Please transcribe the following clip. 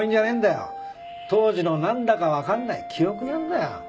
当時のなんだかわかんない記憶なんだよ。